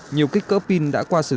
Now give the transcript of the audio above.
nhiều kích cỡ pin đã qua sử dụng